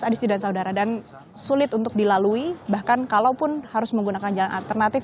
adisti dan saudara dan sulit untuk dilalui bahkan kalaupun harus menggunakan jalan alternatif